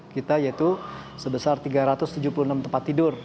kita yaitu sebesar tiga ratus tujuh puluh enam tempat tidur